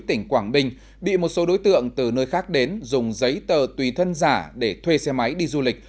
tỉnh quảng bình bị một số đối tượng từ nơi khác đến dùng giấy tờ tùy thân giả để thuê xe máy đi du lịch